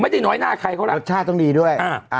น้อยหน้าใครเขาล่ะรสชาติต้องดีด้วย